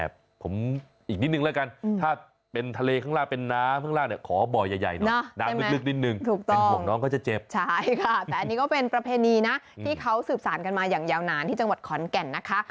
ผมอีกนิดนึงแล้วกัน